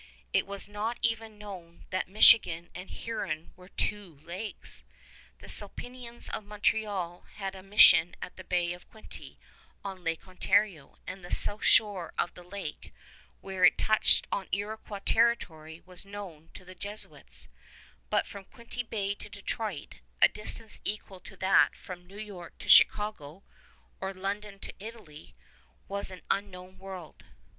It was not even known that Michigan and Huron were two lakes. The Sulpicians of Montreal had a mission at the Bay of Quinte on Lake Ontario, and the south shore of the lake, where it touched on Iroquois territory, was known to the Jesuits; but from Quinte Bay to Detroit a distance equal to that from New York to Chicago, or London to Italy was an unknown world.